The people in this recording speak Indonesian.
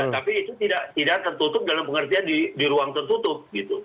tapi itu tidak tertutup dalam pengertian di ruang tertutup gitu